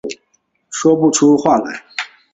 说不出话来